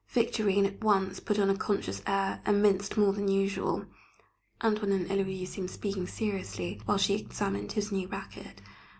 Victorine at once put on a conscious air, and minced more than usual. "Antoine" and Héloise seemed speaking seriously, while she examined his new racket.